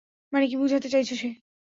মানে কী বুঝাতে চাইছে সে?